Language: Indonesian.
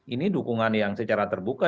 ini dukungan yang secara terbuka